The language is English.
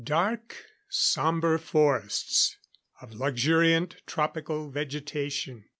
Dark, somber forests of luxuriant tropical vegetation.